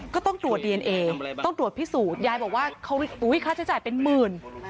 ก็ต้องตรวจดีเอนเอต้องตรวจพิสูจน์ยายบอกว่าเขาอุ้ยค่าใช้จ่ายเป็นหมื่น